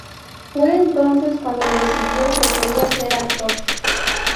Fue entonces cuando decidió que quería ser actor.